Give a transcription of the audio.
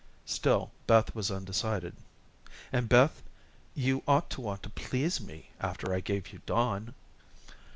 Still Beth was undecided. "And, Beth, you ought to want to please me after I gave you Don."